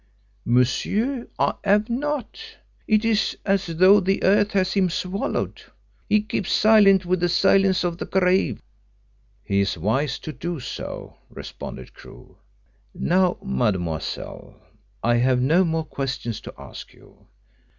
"Monsieur, I have not. It is as though the earth has him swallowed. He keeps silent with the silence of the grave." "He is wise to do so," responded Crewe. "Now, mademoiselle, I have no more questions to ask you.